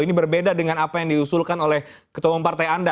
ini berbeda dengan apa yang diusulkan oleh ketua umum partai anda